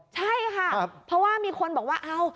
ใช่ค่ะเพราะว่ามีคนบอกว่าเอ้า